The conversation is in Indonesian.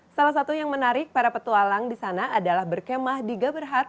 salah satu yang menarik para petualang di sana adalah berkemah di gaberhat